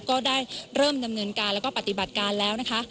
ก็ได้เริ่มดำเนินการแล้วก็ปฏิบัติการแล้วนะคะ